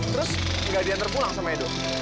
terus gak diantar pulang sama edo